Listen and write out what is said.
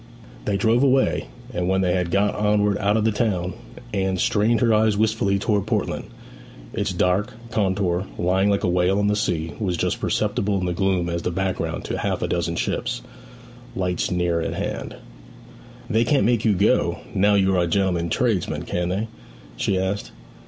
They drove away; and when they had got onward out of the town, Anne strained her eyes wistfully towards Portland. Its dark contour, lying like a whale on the sea, was just perceptible in the gloom as the background to half a dozen ships' lights nearer at hand. 'They can't make you go, now you are a gentleman tradesman, can they?' she asked.